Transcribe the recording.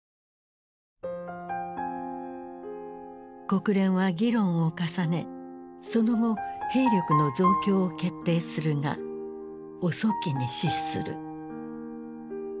国連は議論を重ねその後兵力の増強を決定するが遅きに失する。